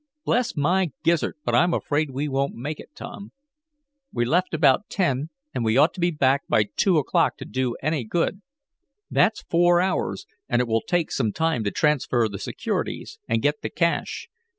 Bless my gizzard, but I'm afraid we won't make it, Tom. We left about ten, and we ought to be back by two o'clock to do any good. That's four hours, and it will take some time to transfer the securities, and get the cash.